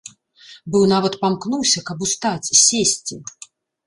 Быў нават памкнуўся, каб устаць, сесці.